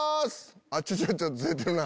あっちょっとずれてるな。